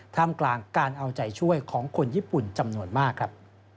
ท่ามกลางการเอาใจช่วยของคนญี่ปุ่นจำนวนมากครับ